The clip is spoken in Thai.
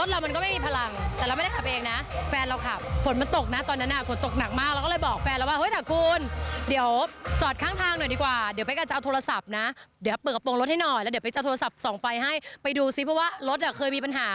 แล้วเดี๋ยวไปจัดโทรศัพท์ส่องไฟให้ไปดูซิเพราะว่ารถเคยมีปัญหา